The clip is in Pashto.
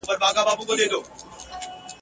چي دي کله نغری سوړ سي درک نه وي د خپلوانو ..